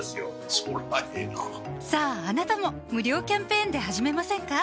そりゃええなさぁあなたも無料キャンペーンで始めませんか？